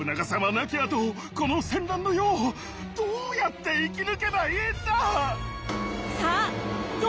亡きあとこの戦乱の世をどうやって生き抜けばいいんだ！？